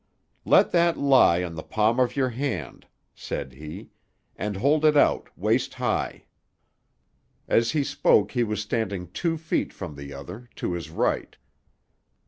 "Let that lie on the palm of your hand," said he, "and hold it out, waist high." As he spoke he was standing two feet from the other, to his right.